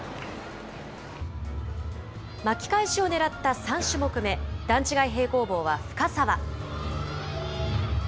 巻き返しを狙った３種目め、段違い平行棒は深沢。